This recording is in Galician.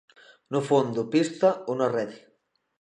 No fondo pista ou na rede.